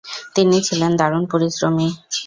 তিনি ছিলেন দারুণ পরিশ্রমী।